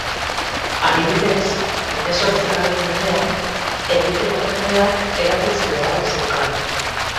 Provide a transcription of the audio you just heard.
Adibidez, hemezortzigarren mendean, eliteko jendeak erakutsi beharra zeukan.